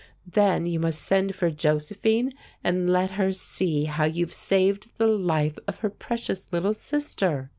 Then you must send for Josephine and let her see how you've saved the life of her precious little sister."